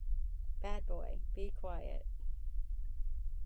Bad boy, be quiet!